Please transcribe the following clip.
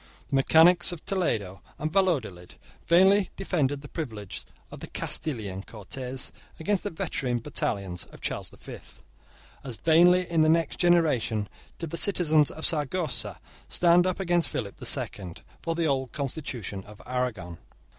The mechanics of Toledo and Valladolid vainly defended the privileges of the Castilian Cortes against the veteran battalions of Charles the Fifth. As vainly, in the next generation, did the citizens of Saragossa stand up against Philip the Second, for the old constitution of Aragon.